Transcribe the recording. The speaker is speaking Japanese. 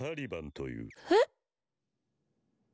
えっ？